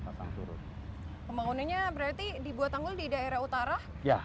pembangunannya berarti dibuat tanggul di daerah utara